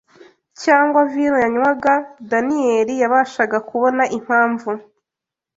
cyangwa vino yanywagDaniyeli yabashaga kubona Impamvu